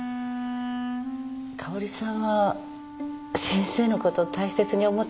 香織さんは先生のこと大切に思ってらっしゃるんですね。